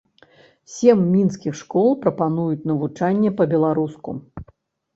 Сем мінскіх школ прапануюць навучанне па-беларуску.